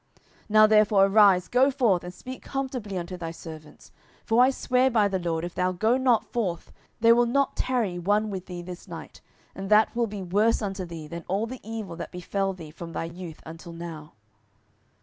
10:019:007 Now therefore arise, go forth, and speak comfortably unto thy servants: for I swear by the LORD, if thou go not forth, there will not tarry one with thee this night: and that will be worse unto thee than all the evil that befell thee from thy youth until now.